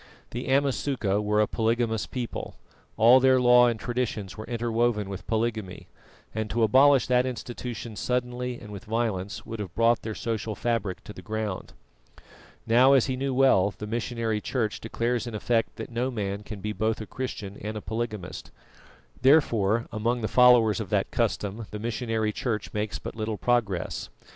The Amasuka were a polygamous people; all their law and traditions were interwoven with polygamy, and to abolish that institution suddenly and with violence would have brought their social fabric to the ground. Now, as he knew well, the missionary Church declares in effect that no man can be both a Christian and a polygamist; therefore among the followers of that custom the missionary Church makes but little progress.